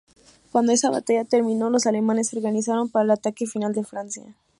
Cuando esa batalla terminó los alemanes se organizaron para el ataque final a Francia.